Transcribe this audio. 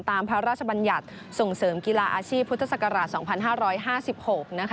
พระราชบัญญัติส่งเสริมกีฬาอาชีพพุทธศักราช๒๕๕๖